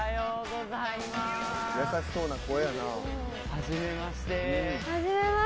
初めまして。